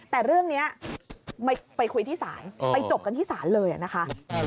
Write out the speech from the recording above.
แต่เรื่องนี้ไปคุยที่ศาลไปจบกันที่ศาลเลยนะคะ